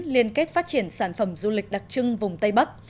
liên kết phát triển sản phẩm du lịch đặc trưng vùng tây bắc